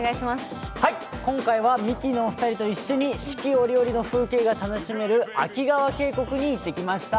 今回はミキのお二人と四季折々の風景が楽しめる秋川渓谷に行ってきました。